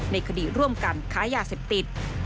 ในคดีร่วมกันค้ายาเสพติด